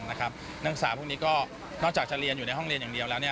นักศึกษาพวกนี้ก็นอกจากจะเรียนอยู่ในห้องเรียนอย่างเดียวแล้ว